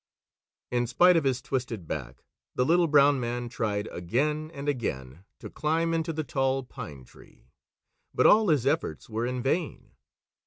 In spite of his twisted back, the Little Brown Man tried again and again to climb into the Tall Pine Tree, but all his efforts were in vain.